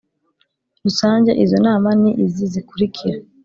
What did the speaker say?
Rusange Izo nama ni izi zikurikira